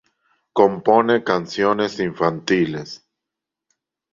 Compone canciones infantiles.